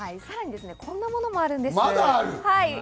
さらにこんなものもあるんです。